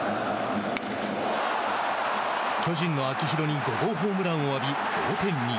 巨人の秋広に５号ホームランを浴び同点に。